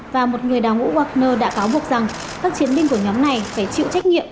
và một người đào ngũ wagner đã cáo buộc rằng các chiến binh của nhóm này phải chịu trách nhiệm